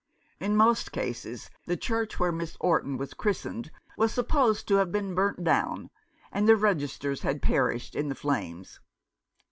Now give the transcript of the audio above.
In most cases the church where Miss Orton was christened was supposed to have been burnt down, and the registers had perished in the flames.